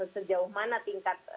sejauh mana tingkat